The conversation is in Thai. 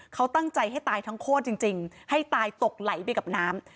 เขาตั้งใจให้ตายทั้งโคตรจริงให้ตายตกไหลไปกับน้ำ